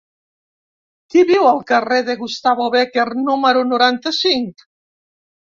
Qui viu al carrer de Gustavo Bécquer número noranta-cinc?